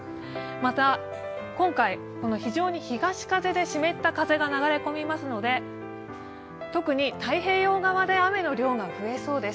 また今回、非常に東風で湿った風が流れ込みますので特に太平洋側で雨の量が増えそうです。